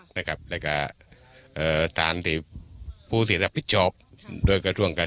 นะครับและก็เอ่อตานที่พูดถึงทางผิดจอบครับโดยกระทรวงกา